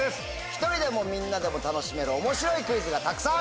１人でもみんなでも楽しめる面白いクイズがたくさん！